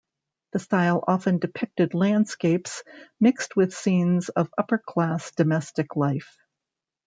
The style often depicted landscapes mixed with scenes of upper-class domestic life.